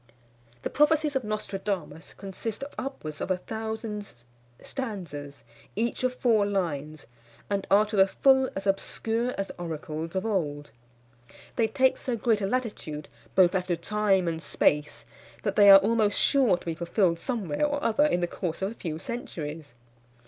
1666.] The prophecies of Nostradamus consist of upwards of a thousand stanzas, each of four lines, and are to the full as obscure as the oracles of old. They take so great a latitude, both as to time and space, that they are almost sure to be fulfilled somewhere or other in the course of a few centuries.